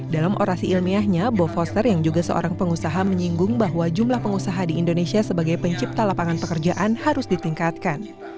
dalam orasi ilmiahnya bob foster yang juga seorang pengusaha menyinggung bahwa jumlah pengusaha di indonesia sebagai pencipta lapangan pekerjaan harus ditingkatkan